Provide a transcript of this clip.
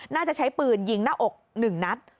น่าจะใช้ปืนยิงหน้าอก๑นัด